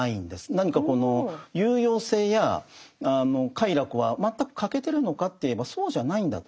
何かこの有用性や快楽は全く欠けてるのかといえばそうじゃないんだと。